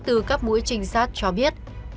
từ các mũi trinh sát cho biết